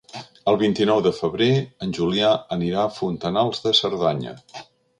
El vint-i-nou de febrer en Julià anirà a Fontanals de Cerdanya.